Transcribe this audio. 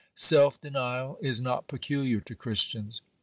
Self denial is not peculiar to Christians.